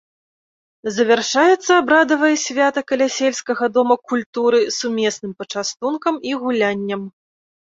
Завяршаецца абрадавае свята каля сельскага дома культуры сумесным пачастункам і гуляннем.